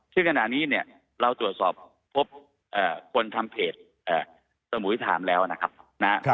ซึ่งขณะนี้เนี่ยเราตรวจสอบพบคนทำเพจสมุยไทม์แล้วนะครับ